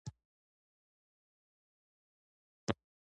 دوی د دې کار لپاره تبلیغاتي دستګاوې کاروي